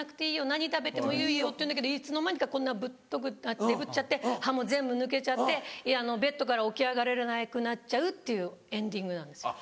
何食べてもいいよ」って言うんだけどいつの間にかこんなぶっとくなってデブっちゃって歯も全部抜けちゃってベッドから起き上がれなくなっちゃうっていうエンディングなんですよ。